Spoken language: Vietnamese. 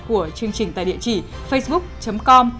của chương trình tại địa chỉ facebook com